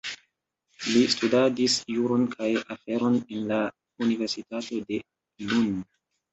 Li studadis juron kaj aferon en la universitato de Lund.